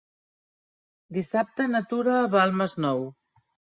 Dissabte na Tura va al Masnou.